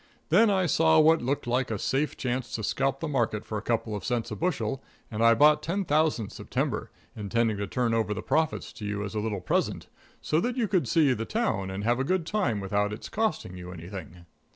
Then I saw what looked like a safe chance to scalp the market for a couple of cents a bushel, and I bought 10,000 September, intending to turn over the profits to you as a little present, so that you could see the town and have a good time without it's costing you anything."